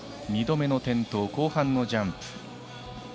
２度目の転倒後半のジャンプ。